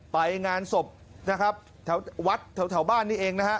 ไปงานศพนะครับแถววัดแถวบ้านนี้เองนะฮะ